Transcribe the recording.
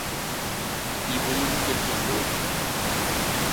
Y voyez-vous quelque faute ?